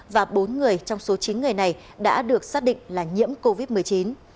và bốn người trong số chín người này đã được xác định là nhiễm covid một mươi chín